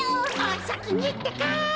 おさきにってか。